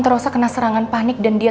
itu juga yang papa mau